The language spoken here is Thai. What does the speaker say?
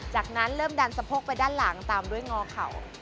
จากนั้นเริ่มดันสะโพกไปด้านหลังตามด้วยงอเข่า